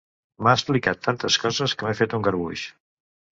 M'ha explicat tantes coses, que m'he fet un garbuix.